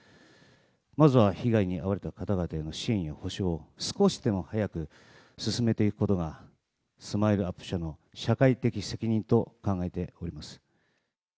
まずは被害に遭われた方々への支援や補償を少しでも早く進めていくことがＳＭＩＬＥ−ＵＰ．社の社会的責任と考えております。